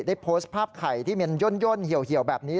ได้โพสต์ภาพไข่ที่มันย่นเหี่ยวแบบนี้